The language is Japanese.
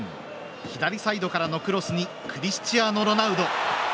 左サイドからのクロスにクリスチアーノ・ロナウド！